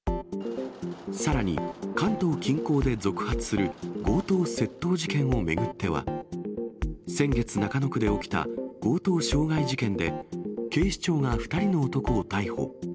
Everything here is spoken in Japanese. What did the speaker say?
さらに、関東近郊で続発する強盗・窃盗事件を巡っては、先月、中野区で起きた強盗傷害事件で警視庁が２人の男を逮捕。